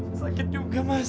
tapi sakit juga mas